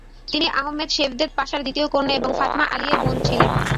তিনি আহমেদ সেভদেত পাশার দ্বিতীয় কন্যা এবং ফাতমা আলিয়ের বোন ছিলেন।